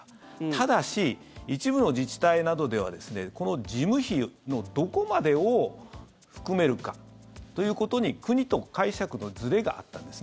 ただし、一部の自治体などではこの事務費のどこまでを含めるかということに国と解釈のずれがあったんです。